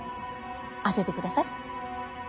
当ててください。